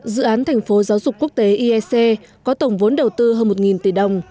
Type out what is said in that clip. dự án thành phố giáo dục quốc tế iec có tổng vốn đầu tư hơn một tỷ đồng